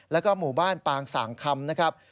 แล้วก็หมู่บ้านปางสางคำนะครับ